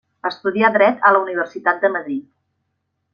Estudià dret a la Universitat de Madrid.